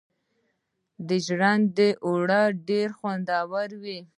د ژرندې اوړه ډیر خوندور وي.